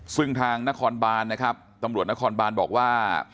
ซึ่งทางนครบานนะครับตำรวจนครบานบอกว่า